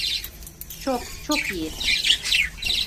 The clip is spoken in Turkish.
Çok çok iyi.